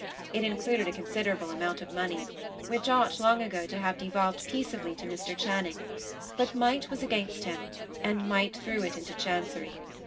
It included a considerable amount of money, which ought, long ago, to have devolved peaceably to Mr. Channing; but Might was against him, and Might threw it into Chancery.